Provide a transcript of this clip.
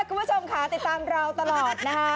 คุณผู้ชมค่ะติดตามเราตลอดนะคะ